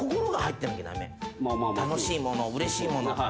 楽しいものうれしいもの。